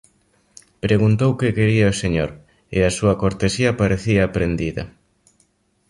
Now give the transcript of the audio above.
Preguntou que quería o señor, e a súa cortesía parecía aprendida.